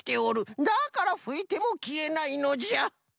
だからふいてもきえないのじゃ。